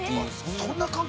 ◆そんな感覚？